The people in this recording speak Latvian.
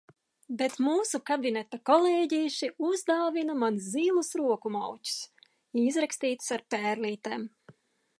Bet mūsu kabineta kolēģīši uzdāvina man zilus roku maučus, izrakstītus ar pērlītēm.